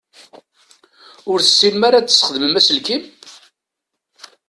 Ur tessinem ara ad tesxedmem aselkim?